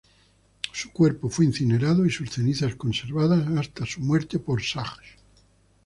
Su cuerpo fue incinerado y sus cenizas conservadas hasta su muerte por Sage.